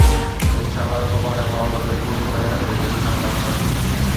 انشاءَ الله، سڀاڻي مان ان تي پوري محنت ۽ دل سان ڪم ڪندس